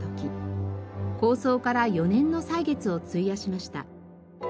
構想から４年の歳月を費やしました。